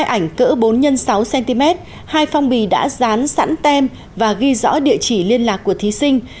hai ảnh cỡ bốn x sáu cm hai phong bì đã dán sẵn tem và ghi rõ địa chỉ liên lạc của thí sinh